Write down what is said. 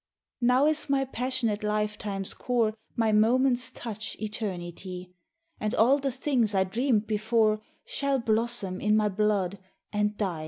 Now is my passionate lifetime's core, My moments touch eternity, And all the things I dreamed before Shall blossom in my blood and die.